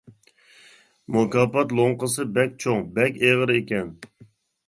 مۇكاپات لوڭقىسى بەك چوڭ، بەك ئېغىر ئىكەن.